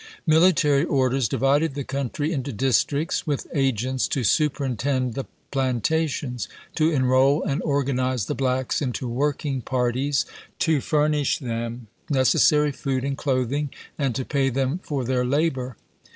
Military orders divided the country into districts, with agents to superintend the plantations, to en roll and organize the blacks into working parties, to furnish them necessary food and clothing, and to pay them for their labor.